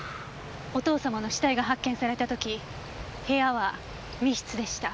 お父様の死体が発見された時部屋は密室でした。